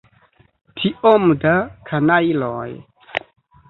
Tiom da kanajloj!